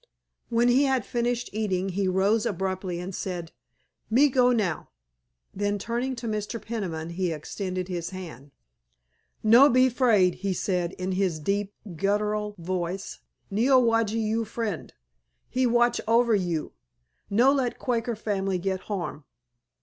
When he had finished eating he rose abruptly and said, "Me go now." Then turning to Mr. Peniman he extended his hand. "No be 'fraid," he said in his deep guttural voice. "Neowage you friend. He watch over you. No let Quaker family get harm."